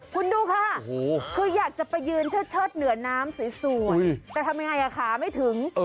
คุณดูค่ะคืออยากจะไปยืนเชิดเหนือน้ำสวยแต่ทำยังไงขาไม่ถึง